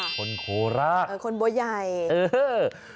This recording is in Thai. ค่ะคนโคลาศคนบัวใหญ่เออฮือ